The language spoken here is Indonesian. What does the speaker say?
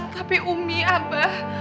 tapi umi abah